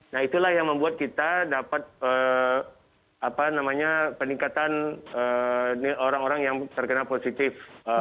nah itulah yang membuat kita dapat peningkatan orang orang yang terkena positif